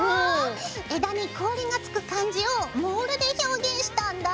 枝に氷がつく感じをモールで表現したんだ。